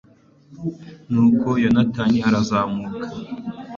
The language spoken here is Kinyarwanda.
nuko yonatani arazamuka